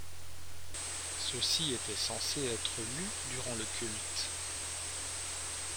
Ceux-ci étaient censés être lus durant le culte.